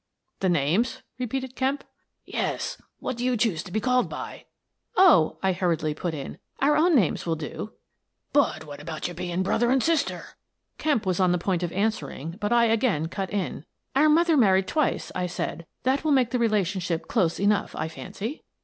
" The names ?" repeated Kemp. "Yes. What do you choose to be called by?" " Oh," I hurriedly put in, " our own names will do." " But how about your bein* brother and sister? " Kemp was on the point of answering, but I again cut in: "Our mother married twice," I said. "That will make the relationship close enough, I fancy."